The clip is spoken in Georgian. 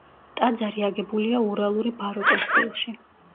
ტაძარი აგებულია ურალური ბაროკოს სტილში.